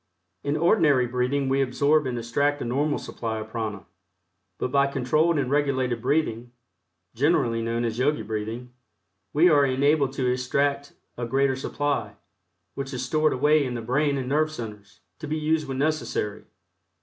In ordinary breathing we absorb and extract a normal supply of prana, but by controlled and regulated breathing (generally known as Yogi breathing) we are enabled to extract a greater supply, which is stored away in the brain and nerve centers, to be used when necessary.